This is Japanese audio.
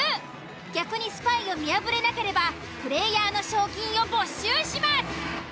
逆にスパイを見破れなければプレイヤーの賞金を没収します。